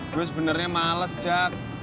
gue sebenarnya males ngajak